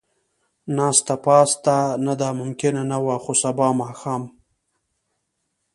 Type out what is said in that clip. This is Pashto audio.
ناسته پاسته، نه دا ممکنه نه وه، خو سبا ماښام.